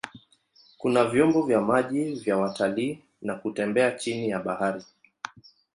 Kuna vyombo vya maji vya watalii na kutembea chini ya bahari.